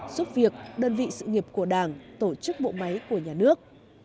giúp việc đơn vị sự nghiệp của đảng tổ chức bộ máy của nhà nước